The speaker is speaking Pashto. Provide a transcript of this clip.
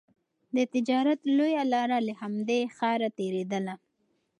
د تجارت لویه لاره له همدې ښاره تېرېدله.